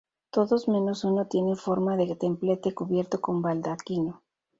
Todos menos uno tienen forma de templete cubierto con baldaquino.